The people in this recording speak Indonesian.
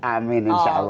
amin insya allah